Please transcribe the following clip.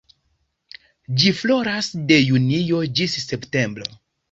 Ĝi floras de junio ĝis septembro.